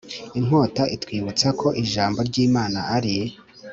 -inkota itwibutsa ko ijambo ry’imana ari